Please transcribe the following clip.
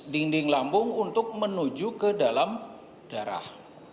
dinding lambung untuk menuju ke dalam darah